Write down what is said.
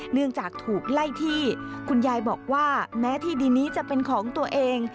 เนื่องจากถูกไล่ที่คุณยายบอกว่าแม้ที่ดินนี้จะเป็นของตัวเอง